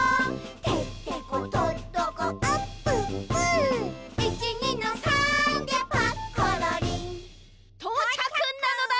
「てってことっとこあっぷっぷ」「いちにのさーんでパッコロリン」とうちゃくなのだ！